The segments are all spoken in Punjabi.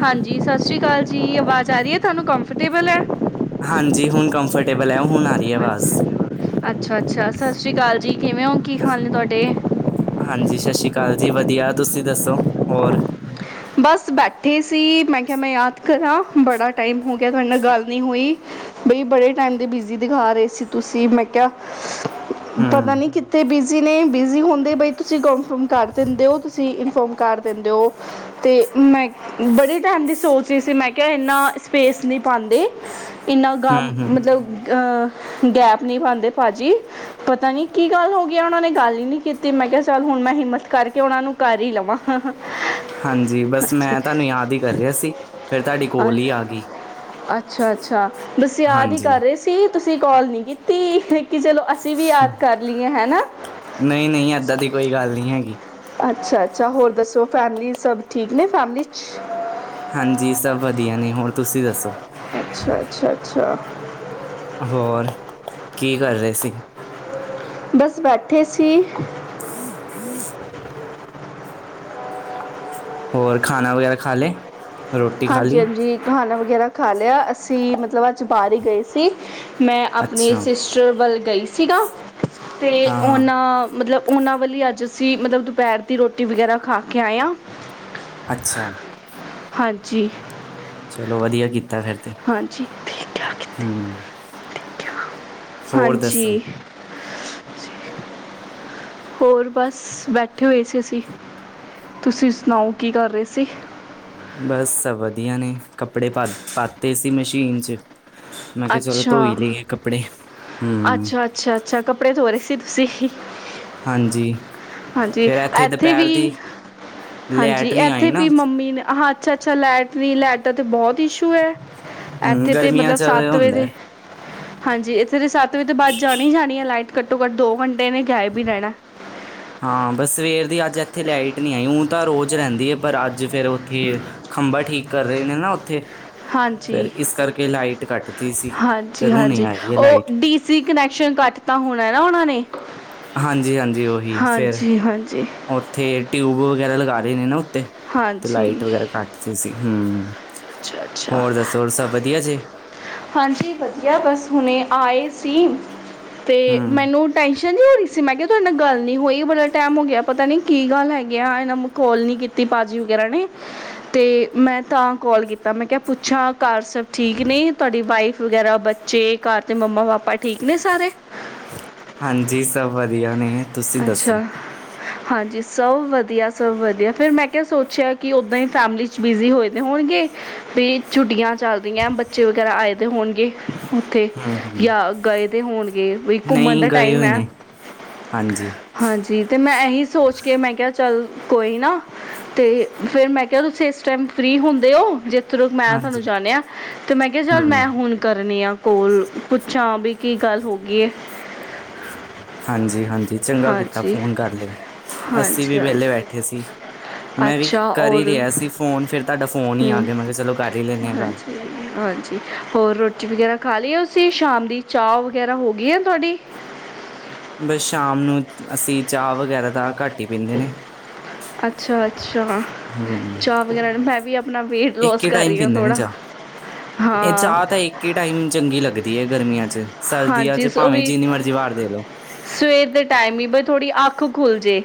ਹਾਂਜੀ ਸਤ ਸ੍ਰੀ ਅਕਾਲ ਜੀ ਅਵਾਜ਼ ਆ ਰਹੀ ਹੈ ਤੁਹਾਨੂੰ ਕੰਫਰਟੇਬਲ ਹੈ। ਹਾਂਜੀ ਹੁਣ ਕੰਫਰਟੇਬਲ ਹੈ ਹੁਣ ਆ। ਰਹੀ ਹੈ ਆਵਾਜ਼ ਅੱਛਾ ਅੱਛਾ ਅੱਛਾ ਸਤਿ ਸ਼੍ਰੀ ਅਕਾਲ ਜੀ ਕਿਵੇਂ ਹੋ ਕੀ ਹਾਲ ਨੇ ਤੁਹਾਡੇ। ਹਾਂਜੀ ਸਤਿ ਸ਼੍ਰੀ ਅਕਾਲ ਜੀ ਵਧੀਆ ਤੁਸੀਂ ਦੱਸੋ ਹੋਰ। ਬਸ ਬੈਠੇ ਸੀ ਮੈਂ ਕਿਹਾ ਮੈਂ ਯਾਦ ਕਰਾਂ ਬੜਾ ਟਾਈਮ ਹੋ ਗਿਆ ਤੁਹਾਡੇ ਨਾਲ ਗੱਲ ਨਹੀਂ ਹੋਈ। ਬਈ ਬੜੇ ਟਾਈਮ ਦੇ ਬਿਜ਼ੀ ਦਿਖਾ ਰਹੇ ਸੀ ਤੁਸੀਂ ਮੈਂ ਕਿਹਾ। ਪਤਾ ਹੂੰ ਨੀ ਕਿੱਥੇ ਬੀ। ਜਿਨੇ ਬਿਜ਼ੀ ਹੁੰਦੇ ਬਈ ਤੁਸੀਂ ਕਨਫਰਮ ਕਰ ਦਿੰਦੇ ਓ ਤੁਸੀਂ ਇਨਫੋਰਮ ਕਰ ਦਿੰਦੇ ਓ। ਤੇ ਮੈਂ ਬੜੇ ਟੈਮ ਦੀ ਸੋਚ ਰੀ ਸੀ ਮੈਂ ਕਿਆ ਏਨਾ ਸਪੇਸ ਨੀ ਪਾਂਦੇ। ਇੰਨਾ ਗਮ ਹੂੰ ਹੂੰ ਮਤਲਬ ਅ ਗੈਪ ਨਹੀਂ ਪਾਂਦੇ ਭਾਜੀ। ਪਤਾ ਨੀ ਕੀ ਗੱਲ ਹੋਗੀ ਆ ਓਨਾਂ ਨੇ ਗੱਲ ਈ ਨੀ ਕੀਤੀ ਮੈਂ ਕਿਆ ਚੱਲ ਹੁਣ ਮੈਂ ਹਿੰਮਤ ਕਰਕੇ ਓਨਾਂ ਨੂੰ ਕਰ ਈ ਲਵਾਂ। ਹਾਂਜੀ ਬਸ ਮੈਂ ਤੁਹਾਨੂੰ ਯਾਦ ਈ ਕਰ ਰਿਆ ਸੀ ਫਿਰ ਤੁਹਾਡੀ ਕੋਲ ਈ ਆਗੀ। ਅੱਛਾ-ਅੱਛਾ ਬਸ ਯਾਦ ਈ ਹਾਂਜੀ ਕਰ ਰਹੇ ਸੀ ਤੁਸੀਂ ਕਾਲ ਨੀ ਕੀਤੀ ਕਿ ਚਲੋ ਅਸੀ ਵੀ ਯਾਦ ਕਰ ਲਈਏ ਹੈਨਾ। ਨਈ-ਨਈ ਏਦਾਂ ਦੀ ਕੋਈ ਗੱਲ ਨੀ ਹੈਗੀ। ਅੱਛਾ-ਅੱਛਾ ਹੋਰ ਦੱਸੋ ਫੈਮਲੀ ਸਭ ਠੀਕ ਨੇ ਫੈਮਿਲੀ ਚ। ਹਾਂਜੀ ਸਭ ਵਧੀਆ ਨੇ ਹੋਰ ਤੁਸੀਂ ਦੱਸੋ। ਅੱਛਾ-ਅੱਛਾ-ਅੱਛਾ ਹੋਰ ਕੀ ਕਰ ਰਹੇ ਸੀ। ਬਸ ਬੈਠੇ ਸੀ। [unintelligible] ਹੋਰ ਖਾਣਾ ਵਗੈਰਾ ਖਾ ਲੈ। ਹਾਂਜੀ-ਹਾਂਜੀ ਖਾਣਾ ਵਗੈਰਾ ਖਾ ਲਿਆ ਅਸੀਂ ਮਤਲਬ ਅੱਜ ਬਾਰ ਈ ਗਏ ਸੀ। ਮੈਂ ਆਪਣੀ ਅੱਛਾ ਸਿਸਟਰ ਵੱਲ ਗਈ ਸੀਗਾ ਤੇ ਹਾਂ ਹਾਂ ਓਨਾ ਮਤਲਬ ਉਹਨਾਂ ਵੀ ਅੱਜ ਅਸੀਂ ਮਤਲਬ ਦੁਪਹਿਰ ਦੀ ਰੋਟੀ ਵਗੈਰਾ ਖਾ ਕੇ ਆਏ ਹਾਂ। ਅੱਛਾ। ਜੀ। ਚਲੋ ਵਧੀਆ ਕੀਤਾ ਫਿਰ ਤੇ। ਹਾਂਜੀ ਹੂੰ ਹੋਰ ਦੱਸੋ ਹਾਂਜੀ। ਹੋਰ ਬਸ ਬੈਠੇ ਹੋਏ ਸੀ ਅਸੀਂ ਤੁਸੀਂ ਸੁਣਾਓ ਕੀ ਰਹੇ ਸੀ। ਬਸ ਸਭ ਵਧੀਆ ਨੇ ਕੱਪੜੇ ਪਾ ਪਾਤੇ ਸੀ ਮਸ਼ੀਨ ਚ। ਮੈਂ ਕਿਆ ਚਲੋ ਧੋਈ ਅੱਛਾ ਲਈਏ ਕੱਪੜੇ ਹੂੰ। ਅੱਛਾ ਅੱਛਾ, ਅੱਛਾ ਕੱਪੜੇ ਧੋ ਰਹੇ ਸੀ ਤੁਸੀਂ। ਹਾਂਜੀ। ਹਾਂਜੀ ਫਿਰ ਇੱਥੇ ਐਥੇ ਦੁਪਹਿਰ ਦੀ ਵੀ ਹਾਂਜੀ ਲੈਟ ਨਹੀਂ ਆਈ ਐਥੇ ਨਾ ਵੀ ਮੰਮੀ ਨੇ ਹਾ ਅੱਛਾ-ਅੱਛਾ ਲੇਟਰੀ ਲੈਟ ਦਾ ਤੇ ਬੋਤ ਇਸ਼ੂ ਐ ਹੂੰ ਐਥੇ ਤੇ ਗਰਮੀਆਂ ਮਤਲਬ 'ਚ ਇਹ ਸੱਤ ਹੁੰਦਾ ਵਜੇ ਹੈ। ਹਾਂਜੀ ਇੱਥੇ ਤੇ ਸੱਤ ਵਜੇ ਤੋਂ ਬਾਦ ਜਾਣੀ ਈ ਜਾਣੀ ਐ ਲਾਈਟ ਘੱਟੋ ਘੱਟ ਦੋ ਘੰਟੇ ਏਨੇ ਗਾਇਬ ਈ ਰੈਣਾ। ਹਾਂ ਬਸ ਸਵੇਰ ਦੀ ਅੱਜ ਐਥੇ ਲਾਈਟ ਨੀ ਆਈ ਊ ਤਾਂ ਰੋਜ਼ ਰੈਂਦੀ ਏ। ਪਰ ਅੱਜ ਫੇਰ ਓਥੇ ਖੰਭਾਂ ਠੀਕ ਕਰ ਰੇ ਨੇ ਨਾ ਓਥੇ। ਹਾਂਜੀ ਫੇਰ ਇਸ ਕਰਕੇ ਲਾਈਟ ਕਟਤੀ ਸੀ ਹਾਂਜੀ ਫੇਰ ਹੁਣੀ ਹਾਂਜੀ ਆਈ ਆ ਉਹ ਲਾਈਟ। ਡੀ ਸੀ ਕਨੈਕਸ਼ਨ ਕੱਟ ਤਾਂ ਹੋਣਾ ਨਾ ਓਨਾਂ ਨੇ। ਹਾਂਜੀ ਹਾਂਜੀ ਓਹੀ ਫੇਰ। ਹਾਂਜੀ ਹਾਂਜੀ ਓਥੇ ਟਿਊਬ ਵਗੈਰਾ ਲਗਾ ਰਹੇ ਨੇ ਨਾ ਓਤੇ ਤੇ ਹਾਂਜੀ ਲਾਈਟ ਵਗੈਰਾ ਕੱਟ ਤੇ ਸੀ ਹੂੰ। ਅੱਛਾ ਅੱਛਾ। ਹੋਰ ਦੱਸੋ ਹੋਰ ਸਭ ਵਧੀਆ ਜੀ ਹਾਂਜੀ ਵਧੀਆ ਬਸ ਹੁਣੇ ਆਏ ਸੀ। ਤੇ ਹੂੰ ਮੈਨੂੰ ਟੈਸ਼ਨ ਨੀ ਹੋ ਰਹੀ। ਮੈਂ ਕਿਆ ਤੁਹਾਡੇ ਨਾਲ ਗੱਲ ਨੀ ਹੋਈ ਬੜਾ ਟੈਮ ਹੋ ਗਿਆ ਪਤਾ ਨੀ ਕੀ ਗੱਲ ਹੈਗੀ ਆ ਏਨਾਂ ਮਖੌਲ ਨੀ ਕੀਤਾ ਤੇ ਭਾਜੀ ਵਗੈਰਾ ਨੇ ਤੇ ਮੈਂ ਤਾਂ ਕੋਲ ਕੀਤਾ ਮੈਂ ਕਿਆ ਪੁੱਛਾਂ ਘਰ ਸਭ ਠੀਕ ਨੇ ਤੁਹਾਡੀ ਵਾਈਫ ਵਗੈਰਾ ਬੱਚੇ ਘਰ ਤੇ ਮੰਮਾ ਪਾਪਾ ਠੀਕ ਨੇ ਸਾਰੇ। ਹਾਂਜੀ ਸਭ ਵਧੀਆ ਨੇ। ਤੁਸੀਂ ਦੱਸੋ ਅੱਛਾ। ਹਾਂਜੀ ਸਭ ਵਧੀਆ ਸਭ ਵਧੀਆ ਫੇਰ ਮੈਂ ਕਿਆ ਸੋਚਿਆ ਕੀ ਓਦਾਂ ਹੀ ਫੈਮਿਲੀ ਚ ਬਿਜ਼ੀ ਹੋਏ ਦੇ ਹੋਣਗੇ ਵੀ ਛੁੱਟੀਆਂ ਚੱਲਦੀਆਂ ਬੱਚੇ ਵਗੈਰਾ ਆਏ ਦੇ ਹੋਣਗੇ। ਉੱਥੇ ਹੂੰ ਹੂੰ ਯਾ ਗਏ ਦੇ ਹੋਣਗੇ ਵੀ ਘੁੰਮਣ ਨਹੀਂ ਦਾ ਗਏ ਟਾਈਮ ਹੋਏ ਐ। ਨੇ ਹਾਂਜੀ। ਹਾਂਜੀ ਤੇ ਮੈਂ ਐਹੀ ਸੋਚ ਕੇ ਮੈਂ ਕਿਆ ਚੱਲ ਕੋਈ ਨਾ। ਤੇ ਫੇਰ ਮੈਂ ਕਿਹਾ ਤੁਸੀਂ ਇਸ ਟਾਈਮ ਫਰੀ ਹੁੰਦੇ ਹੋ ਜੇ ਥਰੂ ਮੈਂ ਤੁਹਾਨੂੰ ਹਾਂਜੀ ਜਾਣਿਆ ਤੇ ਮੈਂ ਕਿਹਾ ਚੱਲ ਹੂੰ ਮੈਂ ਹੁਣ ਕਰਨੀ ਆ ਕੋਲ ਪੁੱਛਾਂ ਵੀ ਕੀ ਗੱਲ ਹੋਗੀਏ। ਹਾਂਜੀ ਹਾਂਜੀ ਚੰਗਾ ਕੀਤਾ ਹਾਂਜੀ ਫੋਨ ਕਰ ਲਿਆ। ਅਸੀਂ ਵੀ ਹਾਂਜੀ ਵੇਹਲੇ ਹਾਂਜੀ ਬੈਠੇ ਸੀ। ਮੈਂ ਵੀ ਅੱਛਾ ਕਰ ਹੀ ਔਰ ਰਿਹਾ ਸੀ ਫੋਨ। ਫਿਰ ਤੁਹਾਡਾ ਫੋਨ ਹੀ ਆ ਹੂੰ ਗਿਆ। ਮੈਂ ਕਿਹਾ ਚਲੋ ਕਰ ਹੀ ਲੈਂਦੇ ਹਾਂ ਗੱਲ। ਹਾਂਜੀ ਹਾਂਜੀ ਹੋਰ ਰੋਟੀ ਵਗੈਰਾ ਖਾ ਲਈ ਐ ਤੁਸੀਂ ਸ਼ਾਮ ਦੀ ਚਾਹ ਵਗੈਰਾ ਹੋ ਗਈ ਹੈ ਤੁਹਾਡੀ? ਬਸ ਸ਼ਾਮ ਨੂੰ, ਅਸੀਂ ਚਾਹ ਵਗੈਰਾ ਦਾ ਘੱਟ ਹੀ ਪੀਂਦੇ ਨੇ ਅੱਛਾ- ਅੱਛਾ, ਹੂੰ ਚਾਹ ਵਗੈਰਾ ਮੈਂ ਵੀ ਆਪਣਾ ਵੇਟ ਇੱਕ ਲੋਸ ਹੀ ਕਰ ਟਾਈਮ ਰਹੀ ਹ ਪੀਂਦੇ ਨੇ ਥੋੜਾ, ਹਾਂ। ਕੀ ਟਾਈਮ ਚੰਗੀ ਲੱਗਦੀ ਹੈ ਗਰਮੀਆਂ 'ਚ ਸਰਦੀਆਂ ਹਾਂਜੀ 'ਚ ਉਹ ਭਾਵੇਂ ਵੀ ਜਿੰਨੀ ਮਰਜ਼ੀ ਵਾਰ ਦੇ ਲਓ। ਸਵੇਰ ਦੇ ਟਾਈਮ ਹੀ ਬਸ ਥੋੜ੍ਹੀ ਅੱਖ ਖੁੱਲ ਜੇ।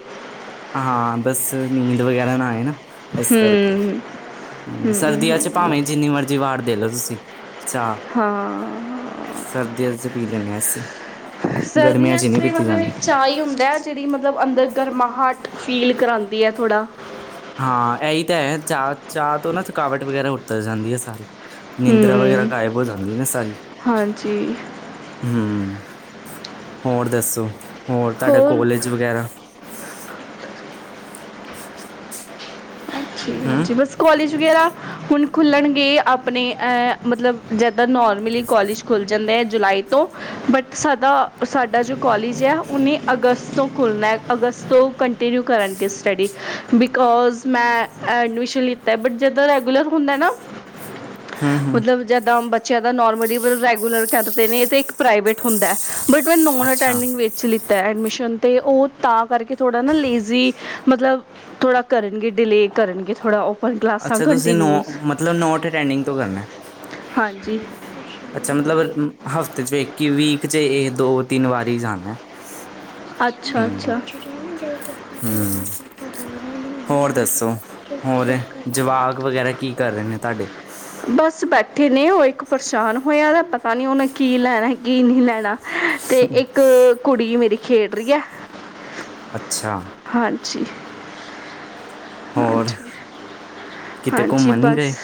ਹਾਂ ਬਸ ਨੀਂਦ ਵਗੈਰਾ ਨਾ ਆਏ ਨਾ। ਇਸ ਕਰਕੇ ਹਮ ਹਮ ਹਮ ਸਰਦੀਆਂ ਚ ਭਾਵੇਂ ਜਿੰਨੀ ਮਰਜ਼ੀ ਦੀਵਾਰ ਦੇ ਲਓ ਤੁਸੀਂ ਚਾਹ ਹਾਂ ਸਰਦੀਆਂ ਚ ਪੀ ਲੈਂਨੇ ਹਾਂ ਅਸੀਂ ਗਰਮੀਆਂ ਸਰਦੀਆਂ ਚ ਹੀ ਨਹੀਂ ਤਾਂ ਪੀਤੀ ਮਤਲਬ ਜਾਂਦੀ। ਇੱਕ ਚਾਹ ਹੀ ਹੁੰਦਾ ਹੈ ਜਿਹੜੀ ਮਤਲਬ ਅੰਦਰ ਗਰਮਾਹਟ ਫੀਲ ਕਰਾਂਉਦੀ ਹੈ ਥੋੜਾ। ਹਾਂ ਐਈ ਤਾਂ ਹੈ ਚਾ, ਚਾ ਤੋਂ ਨਾ ਥਕਾਵਟ ਵਗੈਰਾ ਉੱਤਰ ਜਾਂਦੀ ਐ ਸਾਰੀ। ਨਿੰਦ੍ਰਾ ਵਗੈਰਾ ਹਮ ਗਾਇਬ ਹੋ ਜਾਂਦੀ ਨਾ ਸਾਰੀ। ਹਾਂਜੀ ਹੂੰ ਹੋਰ ਦੱਸੋ? ਹੋਰ ਤੁਹਾਡਾ ਕੋਲੇਜ ਵਗੈਰਾ? ਠੀਕ ਐ ਹਮ ਜੀ ਬਸ। ਕੋਲੇਜ ਵਗੈਰਾ ਹੁਣ ਖੁੱਲ੍ਹਣਗੇ ਆਪਣੇ ਅ ਮਤਲਬ ਜਿੱਦਾਂ ਨੋਰਮਲੀ ਕੋਲਜ ਖੁੱਲ੍ਹ ਜਾਂਦੇ ਐ ਜੁਲਾਈ ਤੋਂ। ਬਟ ਸਾਡਾ ਸਾਡਾ ਜੋ ਕੋਲਜ ਹੈ। ਉੱਨੀ ਅਗਸਤ ਤੋਂ ਖੁੱਲ੍ਹਣਾ ਐ। ਅਗਸਤ ਤੋਂ ਕੰ ਕੰਟੀਨਿਊ ਕਰਾਂਗੇ ਸਟਡੀ ਬਿਕੋਜ਼ ਮੈਂ ਐਡਮਿਸ਼ਨ ਲਿੱਤਾ ਐ। ਬਟ ਜਦੋਂ ਰੈਗੂਲਰ ਹੁੰਦਾ ਨਾ ਹਮ ਹਮ ਮਤਲਬ ਜਿਆਦਾ ਬੱਚਿਆਂ ਦਾ ਨੋਰਮਲੀ ਰੈਗੂਲਰ ਕਰਦੇ ਨੇ ਤਾਂ ਇੱਕ ਪ੍ਰਾਈਵੇਟ ਹੁੰਦਾ। ਬਟ ਮੈਂ ਨੋਨ ਅੱਛਾ ਅਟੈਂਡਿੰਗ ਵਿੱਚ ਲਿੱਤਾ ਐ ਐਡਮਿਸ਼ਨ ਤੇ ਉਹ ਤਾਂ ਕਰਕੇ ਥੋੜਾ ਨਾ ਲੇਜ਼ੀ ਮਤਲਬ ਥੋੜ੍ਹਾ ਕਰਨਗੇ ਡਿਲੇਅ ਕਰਨਗੇ ਥੋੜਾ ਉਹ ਅੱਛਾ ਤੁਸੀਂ ਨੋ, ਮਤਲਬ ਨੋਟ ਅਟੈਂਡਿੰਗ ਤੋਂ ਕਰਨਾ। ਹਾਂਜੀ। ਅੱਛਾ ਮਤਲਬ, ਹਫ਼ਤੇ 'ਚ ਇੱਕ ਹੀ, ਵੀਕ 'ਚ ਇਹ ਦੋ- ਤਿੰਨ ਵਾਰੀ ਜਾਣਾ ਹੈ। ਅੱਛਾ- ਅੱਛਾ। ਹਮ ਹੋਰ ਦੱਸੋ ਹੋਰ ਜਵਾਕ ਵਗੈਰਾ ਕੀ ਕਰ ਰਹੇ ਨੇ ਤੁਹਾਡੇ? ਬਸ ਬੈਠ ਕਿੰਨੇ ਉਹ ਇੱਕ ਪਰੇਸ਼ਾਨ ਹੋਇਆ ਦਾ ਪਤਾ ਨੀ ਉਹਨੇ ਕੀ ਲੈਣਾ ਕੀ ਨਹੀਂ ਲੈਣਾ। ਤੇ ਇੱਕ ਕੁੜੀ ਮੇਰੀ ਖੇਡ ਰਹੀ ਹੈ। ਅੱਛਾ ਹਾਂਜੀ। ਹੋਰ ਹਾਂਜੀ ਕਿਤੇ ਹਾਂਜੀ ਘੁੰਮਣ ਨਹੀਂ ਬਸ। ਗਏ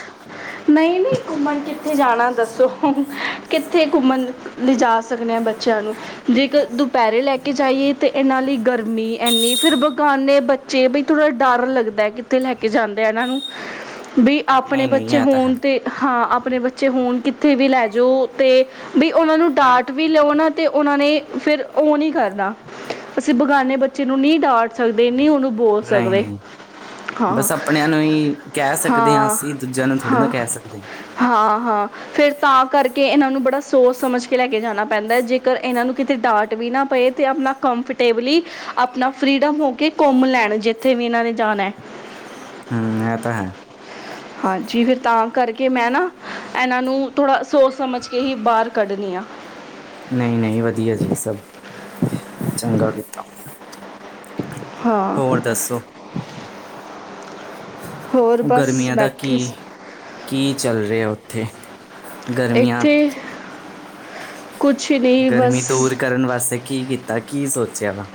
ਨਈ-ਨਈ ਘੁੰਮਣ ਕਿੱਥੇ ਜਾ ਨਾ ਦੱਸੋ ਕਿੱਥੇ ਘੁੰਮਣ ਲਿਜਾ ਸਕਦੇ ਆ ਬ ਚਲੋ ਜੇਕਰ ਦੁਪੈਰੇ ਲੈ ਕੇ ਜਾਈਏ ਤੇ ਇਨਾਂ ਲਈ ਗਰਮੀ ਇੰਨੀ ਫਿਰ ਬਗਾਨੇ ਬੱਚੇ ਬਈ ਥੋੜਾ ਡਰ ਲੱਗਦਾ ਕਿੱਥੇ ਲੈ ਕੇ ਜਾਂਦੇ ਆ ਇਨਾਂ ਨੂੰ। ਵੀ ਆਪਣੇ ਨਹੀਂ ਨਹੀਂ ਬੱਚੇ ਇਹ ਤਾਂ ਹੈ ਹੋਨ ਤੇ ਹਾਂ ਆਪਣੇ ਬੱਚੇ ਹੋਣ, ਕਿੱਥੇ ਵੀ ਲੈ ਜੋ ਤੇ ਬੀ ਉਹਨਾਂ ਨੂੰ ਡਾਟ ਵੀ ਲਓ ਨਾ, ਤੇ ਉਹਨਾਂ ਨੇ ਫਿਰ ਉਹ ਨੀ ਕਰਨਾ। ਅਸੀਂ ਬਗਾਨੇ ਬੱਚੇ ਨੂੰ ਨੀ ਡਾਟ ਸਕਦੇ, ਨੀ ਉਹਨੂੰ ਬੋਲ ਸਕਦੇ, ਹਾਂ। ਨਈ, ਕੈ ਸਕਦੇ ਆ ਹਾਂ ਅਸੀ ਦੂਜੇਆਂ ਨੂੰ ਥੋੜ੍ਹੀ ਨਾ ਹਾਂ ਕੈ ਸਕਦੇ ਆ। ਹਾਂ, ਹਾਂ। ਫਿਰ ਤਾਂ ਕਰਕੇ ਇਹਨਾਂ ਨੂੰ ਬੜਾ ਸੋਚ ਸਮਝ ਕੇ ਲੈ ਕੇ ਜਾਣਾ ਪੈਂਦਾ ਐ। ਜੇਕਰ ਇਹਨਾਂ ਨੂੰ ਕਿਤੇ ਡਾਂਟ ਵੀ ਨਾ ਪਏ। ਤੇ ਆਪਣਾ ਕੰਫਰਟੇਬਲੀ ਆਪਣਾ ਫ੍ਰੀਡਮ ਹੋ ਕੇ ਘੁੰਮ ਲੈਣ ਜਿੱਥੇ ਵੀ ਇਹਨਾਂ ਨੇ ਜਾਣਾ ਐ। ਹੂੰ ਐ ਤਾਂ ਹੈ। ਹਾਂਜੀ ਫਿਰ ਤਾਂ ਕਰਕੇ ਮੈਂ ਨਾ ਇਹਨਾਂ ਨੂੰ ਥੋੜ੍ਹਾ ਸੋਚ ਸਮਝ ਕੇ ਹੀ ਬਾਰ ਕੱਢਣੀ ਆ। ਨਹੀਂ ਨਹੀਂ ਵਧੀਆ ਜੀ ਸਭ ਚੰਗਾ ਕੀਤਾ। ਹਾਂ ਹੋਰ ਦੱਸੋ। ਹੋਰ ਉਹ ਬਸ ਗਰਮੀਆਂ ਦਾ ਕੀ ਬੈਠੇ ਸੀ ਕੀ ਚੱਲ ਰਿਹਾ ਉੱਥੇ ਗਰਮੀਆਂ ਇੱਥੇ ਕੁਛ ਨਹੀਂ। ਗਰਮੀ ਬਸ ਦੂਰ ਕਰਨ ਵਾਸਤੇ ਕੀ ਕੀਤਾ, ਕੀ ਸੋਚਿਆ ਵਾ?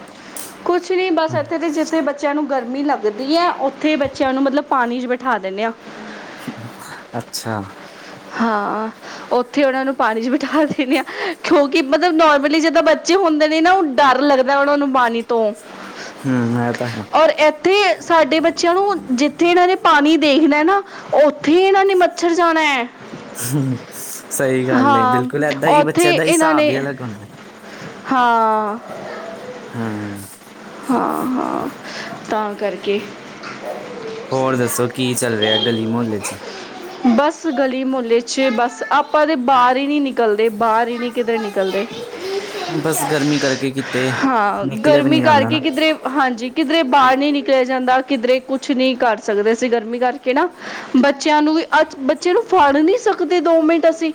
ਕੁਛ ਨਹੀਂ ਬਸ ਹੂੰ, ਇੱਥੇ ਤੇ ਜਿੱਥੇ ਬ ਬੱਚਿਆਂ ਨੂੰ ਗਰਮੀ ਲੱਗਦੀ ਏ ਉੱਥੇ ਬੱਚਿਆਂ ਨੂੰ ਮਤਲਬ ਪਾਣੀ ਚ ਬਿਠਾ ਦਿੰਦੇ ਆ। ਅੱਛਾ। ਹਾਂ ਉੱਥੇ ਉਹਨਾਂ ਨੂੰ ਪਾਣੀ ਚ ਬਿਠਾ ਦਿੰਦੇ ਆ। ਕਿਉਂਕਿ ਮਤਲਬ ਨੋਰਮਲੀ ਜਿੱਦਾਂ ਬੱਚੇ ਹੁੰਦੇ ਨੇ ਨਾ। ਉਹ ਡਰ ਲੱਗਦਾ ਉਹਨਾਂ ਨੂੰ ਪਾਣੀ ਤੋਂ। ਹਾਂ [inaudible] ਹੂੰ ਇਹ ਤਾਂ ਹੈ। ਔਰ ਐਥੇ ਸਾਡੇ ਬੱਚੇਆਂ ਨੂੰ, ਜਿੱਥੇ ਇਨਾਂ ਨੇ ਪਾਨੀ ਦੇਖਨਾ ਏ ਨਾ ਉੱਥੇ ਹੀ ਏਹਨਾਂ ਨੇ ਮੱਛਰ ਜਾਣਾ ਐ। ਸਈ ਗੱਲ ਏ, ਹਾਂ ਬਿਲਕੁਲ ਏਦਾਂ ਹੀ ਉੱਥੇ ਬੱਚੇਆਂ ਦਾ ਇਹਨਾਂ ਹਿਸਾਬ ਨੇ ਈ ਅਲੱਗ ਹੁੰਦਾ। ਹਾਂ। ਹੂੰ। ਹਾਂ-ਹਾਂ ਤਾਂ ਕਰਕੇ। ਹੋਰ ਦੱਸੋ ਕੀ ਚੱਲ ਰਿਹਾ ਐ ਗਲੀ ਮੋਹੱਲੇ ਚ? [unintelligible] ਬੱਸ ਗਲੀ ਮੁਹੱਲੇ ਚ ਬੱਸ ਆਪਾਂ ਤਾਂ ਬਾਹਰ ਈ ਨਹੀਂ ਨਿਕਲਦੇ। ਬਾਬਰ ਈ ਨਹੀਂ ਕਿਤੇ ਨਿਕਲਦੇ। ਹਾਂ ਬਸ ਗਰਮੀ ਕਰਕੇ ਕਿਤੇ ਹਾਂ ਨਿਕਲਿਆ ਵੀ ਗਰਮੀ ਨਹੀਂ ਜਾਂਦਾ ਕਰਕੇ ਨਾ। ਕਿਧਰੇ ਹਾਂਜੀ ਕਿਧਰੇ ਬਾਹਰ ਨਹੀਂ ਨਿਕਲਿਆ ਜਾਂਦਾ। ਕਿਧਰੇ ਕੁਛ ਨਹੀਂ ਕਰ ਸਕਦੇ ਅਸੀ ਗਰਮੀ ਕਰਕੇ ਨਾ। ਬੱਚਿਆਂ ਨੂੰ ਵੀ ਅੱਜ ਬੱਚੇ ਨੂੰ ਫੜ ਨਹੀਂ ਸਕਦੇ ਦੋ ਮਿੰਟ ਅਸੀਂ।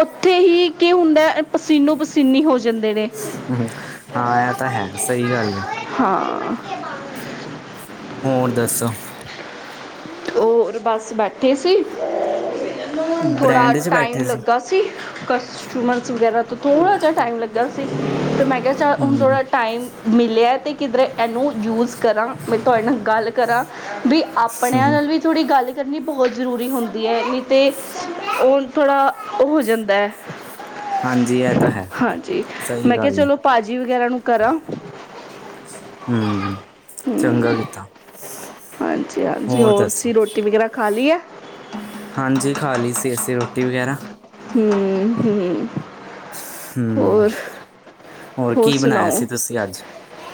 ਉੱਥੇ ਹੀ ਕੀ ਹੁੰਦਾ ਐ। ਪਸੀਨੋ ਪਸੀਨੀ ਹੋ ਜਾਂਦੇ ਨੇ। ਹੂੰ ਹਾਂ ਇਹ ਤਾਂ ਹੈ ਸਹੀ ਗੱਲ ਈ। ਹਾਂ। ਹੋਰ ਦੱਸੋ। ਹੋਰ ਬਸ ਬੈਠੇ ਸੀ। ਥੋੜਾ ਬ੍ਰੈਂਡ ਚ ਟਾਈਮ ਬੈਠੇ ਲੱਗਾ। ਸੀ ਕਸਟਮਰਸ ਵਗੈਰਾ ਤੋਂ ਥੋੜ੍ਹਾ ਜਿਹਾ ਟਾਈਮ ਲੱਗਾ ਸੀ ਤੇ ਮੈਂ ਕਿਹਾ ਹੁਣ ਹਮ ਥੋੜ੍ਹਾ ਟਾਈਮ ਮਿਲਿਆ ਐ ਤੇ ਕਿਧਰੇ ਇਹਨੂੰ ਯੂਜ ਕਰਾਂ ਮੈਂ ਤੁਹਾਡੇ ਨਾਲ ਗੱਲ ਕਰਾਂ ਵੀ ਆਪਣਿਆਂ ਹਮ ਨਾਲ ਵੀ ਥੋੜ੍ਹੀ ਗੱਲ ਕਰਨੀ ਬਹੁਤ ਜ਼ਰੂਰੀ ਹੁੰਦੀ ਏ। ਨਹੀਂ ਤੇ ਉਹ ਥੋੜ੍ਹਾ ਉਹ ਹੋ ਜਾਂਦਾ ਐ। ਹਾਂਜੀ ਇਹ ਤਾਂ ਹੈ ਹਾਂਜੀ ਸਹੀ ਮੈਂ ਕਿਹਾ ਗੱਲ ਚਲੋ ਭਾਜੀ ਵਗੈਰਾ ਨੂੰ ਕਰਾਂ। ਹੂੰ ਚੰਗਾ ਕੀਤਾ, ਹੋਰ ਦੱਸੋ? ਗੇਰਾ ਖਾਲੀ ਏ ਹਾਂਜੀ, ਖਾ ਲੀ ਸੀ, ਅਸੀਂ ਰੋਟੀ ਵਗੈਰਾ ਹੂੰ ਹੂੰ ਹੂੰ ਹੋਰ ਹੋਰ ਸੁਣਾਓ?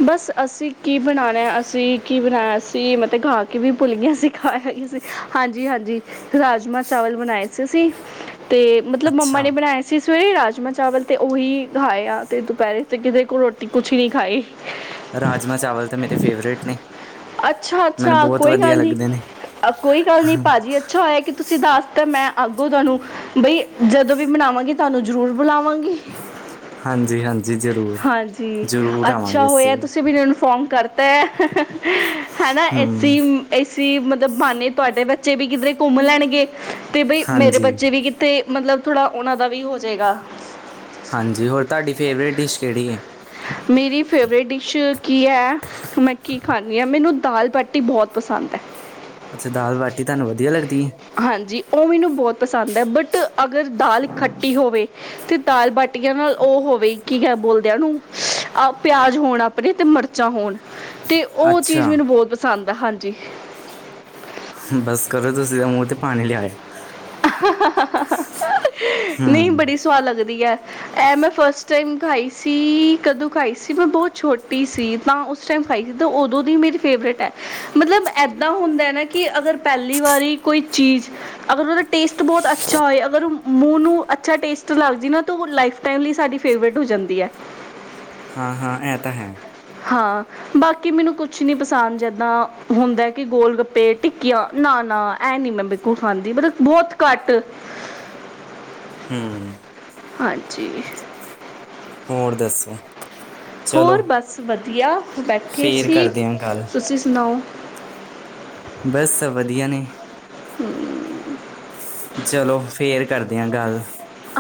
ਬਸ, ਅਸੀਂ ਕੀ ਬਣਾਣਾ ਏ ਅਸੀਂ ਕੀ ਬਣਾਆ ਸੀਂ ਮੈ ਤੇ ਖਾ ਕੇ ਵੀ, ਭੁੱਲ ਗੀਆਂ ਅਸੀ ਖਾਇਆ ਕੀ ਸੀ ਹਾਂਜੀ- ਹਾਂਜੀ ਰਾਜਮਾਂ, ਚਾਵਲ, ਬਣਾਏ ਸੀ ਅਸੀ। ਤੇ, ਮਤਲਬ ਮੰਮਾ ਅੱਛਾ, ਨੇ ਬਣਾਏ ਸੀ, ਸਵੇਰੇ ਰਾਜਮਾਂ ਚਾਵਲ, ਤੇ ਉਹੀ ਖਾਏਆ ਤੇ ਦੁਪਹਿਰੇ ਤੇ, ਕਿਦੇ ਕੋਲ ਰੋਟੀ, ਕੁਛ ਹੀ ਨਹੀਂ ਖਾਾਈ ਰਾਜਮਾਂ ਚਾਵਲ ਤਾਂ ਮੇਰੇ ਫੇਵਰੇਟ ਨੇ ਅੱਛਾ ਮੈਨੂੰ -ਅੱਛਾ ਬਹੁਤ ਕੋਈ ਵਧੀਆ ਗੱਲ ਨਈ- ਲੱਗਦੇ ਨੇ, ਕੋਈ ਗੱਲ ਨਈ ਭਾਜੀ, ਅੱਛਾ ਹੋਇਆ ਕਿ ਤੁਸੀਂ ਤੁਸੀਂ ਦੱਸ ਤਾਂ, ਮੈਂ ਅੱਗੋ ਤੁਹਾਨੂੰ ਬਈ, ਜਦੋਂ ਵੀ ਬਨਾਵਾਂਗੀ, ਤੁਹਾਨੂੰ ਜ਼ਰੂਰ ਬੁਲਾਵਾਂਗੀ। ਹਾਂਜੀ ਹਾਂਜੀ ਹਾਂਜੀ, ਅੱਛਾ ਅਸੀਂ ਹੋਇਆ ਵੀ, ਤੁਸੀਂ ਮੈਨੂੰ, ਇਨਫੋਰਮ ਕਰ ਪੈ ਹਾਂ -ਹਾਂ ਹਨਾ, ਹੂੰ, ਐਸੀ ਅਮਮ ਇਹ ਸੀ ਮਤਲਬ, ਬਾਹਨੇ ਤੁਹਾਡੇ ਬੱਚੇ ਵੀ, ਕਿਧਰੇ ਘੁੰਮ ਲੈਣਗੇ, ਤੇ ਬਈ ਮੇਰੇ ਹਾਂਜੀ। ਬੱਚੇ ਵੀ, ਕਿੱਥੇ ਮਤਲਬ ਥੋੜ੍ਹਾ ਉਹਨਾਂ ਦਾ, ਵੀ ਹੋ ਜਾਵੇਗਾ। ਹਾਂਜੀ, ਹੋਰ ਤੁਹਾਡੀ ਫੇਵਰੇਟ ਡਿਸ਼ ਕਿਹੜੀ ਏ? ਮੇਰੀ, ਫੇਵਰੇਟ ਡਿਸ਼ ਕੀ ਹੈ ਮੈਂ ਕੀ ਖਾਂਦੀ ਆ, ਮੈਨੂੰ ਦਾਲ ਬਾਟੀ ਬਹੁਤ ਪਸੰਦ ਹੈ। ਅੱਛਾ, ਦਾਲ ਬਾਟੀ ਤੁਹਾਨੂੰ ਵਧੀਆ, ਲੱਗਦੀ ਏ? ਹਾਂਜੀ, ਉਹ ਮੈਨੂੰ ਬਹੁਤ ਪਸੰਦ ਹੈ, ਬਟ ਅਗਰ ਦਾਲ ਖੱਟੀ ਹੋਵੇ ਤੇ ਦਾਲ ਬਾਟੀਆਂ, ਨਾਲ ਉਹ ਹੋਵੇ? ਕੀ ਕਿ ਬੋਲਦੇ ਨੇ ਉਹਨੂੰ, ਆਹ ਪਿਆਜ ਹੋਣ ਆਪਣੇ ਤੇ ਮਿਰਚਾਂ ਹੋਣ ਤੇ ਉਹ ਚੀਜ਼, ਅੱਛਾ, ਮੈਨੂੰ ਬਹੁਤ ਪਸੰਦ ਆ ਹਾਂਜੀ। ਬਸ ਕਰੋ ਤੁਸੀਂ, ਮੂੰਹ ਚ ਪਾਣੀ ਲਿਆਏ ਨਈ, ਹੂੰ। ਬੜੀ ਸਵਾਦ ਲੱਗਦੀ ਆ ਐ ਮੈਂ, ਫਸਟ ਟਾਈਮ ਖਾਈ ਸੀ, ਕਦੋਂ ਖਾਈ ਸੀ, ਮੈਂ ਬੋਤ ਛੋਟੀ ਸੀ ਤਾਂ? ਜਿਸ ਟਾਈਮ ਖਾਈ ਉਦੋਂ ਦੀ, ਮੇਰੀ ਫੇਵਰੇਟ ਮਤਲਬ ਇੱਦਾਂ ਹੁੰਦਾ ਕਿ, ਅਗਰ ਪਹਿਲੀ ਵਾਰੀ ਕੋਈ, ਚੀਜ਼ ਅਗਰ ਉਦਾ ਟੇਸਟ ਬੋਤ ਅੱਛਾ ਹੋਏ, ਅਗਰ ਮੂੰਹ ਨੂੰ ਅੱਛਾ ਟੇਸਟ ਲੱਗ ਜੇ ਨਾ, ਉ ਲਾਈਫ ਟਾਈਮ ਲਈ ਸਾਡੀ ਫੇਵਰੇਟ, ਹੋ ਜਾਂਦੀ ਹੈ। ਹਾਂ -ਹਾਂ ਐ ਤਾਂ ਹੈ। ਹਾਂ ਬਾਕੀ ਮੈਨੂੰ, ਕੁਛ ਨਈ ਪਸੰਦ, ਜਿੱਦਾਂ ਹੁੰਦਾ ਕਿ, ਗੋਲ -ਗੱਪੇ ਟਿੱਕੀਆਂ, ਨਾ ਨਾ ਐ ਨੀ ਮੈਂ, ਬਿਲਕੁਲ ਖਾਂਦੀ, ਮਤਲਬ ਬਹੁਤ ਘੱਟ ਹੂੰ ਹਾਂਜੀ ਹੋਰ ਦੱਸੋ? ਚਲੋ, ਹੋਰ ਬਸ ਵਧੀਆ, ਬੈਠੇ ਫੇਰ ਸੀ ਕਰਦੇ ਆਂ ਗੱਲ, ਤੁਸੀਂ ਸੁਣਾਓ? ਬਸ ਵਧੀਆ ਨੇ ਹੂੰ [inaudible] ਚਲੋ, ਫੇਰ ਕਰਦੇ ਆ ਗੱਲ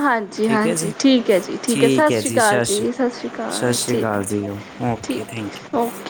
ਹਾਂਜੀ ਠੀਕ ਹੈ ਜੀ- ਹਾਂਜੀ ਠੀਕ ਹੈ ਜੀ ਠੀਕ ਸਤਿ ਹੈ ਸ਼੍ਰੀ ਜੀ, ਅਕਾਲ ਸ਼੍ਰੀ ਸਤਿ ਅਕਾਲ ਸ੍ਰੀ ਅਕਾਲ ਜੀ ਉਹ ਓਕੇ, ਥੈਂਕ ਯੂ, ਉਹਓ